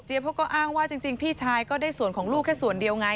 เขาก็อ้างว่าจริงพี่ชายก็ได้ส่วนของลูกแค่ส่วนเดียวไง